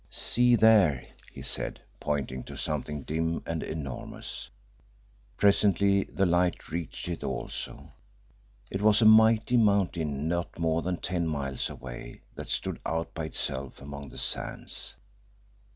"See there!" he said, pointing to something dim and enormous. Presently the light reached it also. It was a mighty mountain not more than ten miles away, that stood out by itself among the sands.